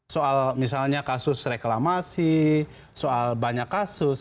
soal misalnya kasus reklamasi soal banyak kasus